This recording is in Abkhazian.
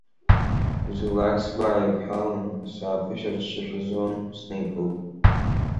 Изулакь, сгәы ааиқәҳәаланы, сааԥышәырччашәа зун, снеиԥылт.